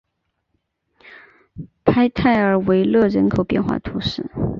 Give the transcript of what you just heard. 潘泰尔维勒人口变化图示